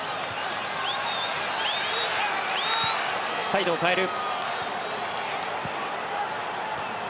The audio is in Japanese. サイドを変える。